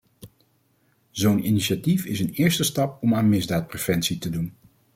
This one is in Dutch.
Zo'n initiatief is een eerste stap om aan misdaadpreventie te doen.